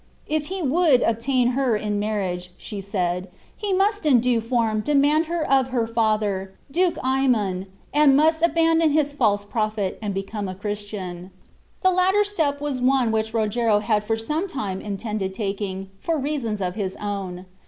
"If he would obtain her in marriage," she said, "he must in due form demand her of her father, Duke Aymon, and must abandon his false prophet, and become a Christian." The latter step was one which Rogero had for some time intended taking, for reasons of his own.